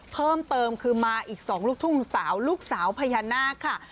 เพิ่มเติมคือมาอีก๒ลูกทุ่งสาวลูกสาวพญานาคค่ะ